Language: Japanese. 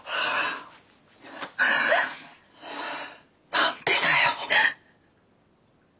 何でだよ。